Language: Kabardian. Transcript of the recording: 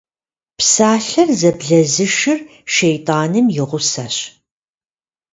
Псалъэр зэблэзышыр шэйтӏаным и гъусэщ.